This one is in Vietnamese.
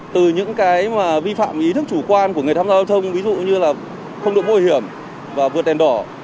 từ những cái vi phạm ý thức chủ quan của người tham gia giao thông ví dụ như là không được mũ bảo hiểm và vượt đèn đỏ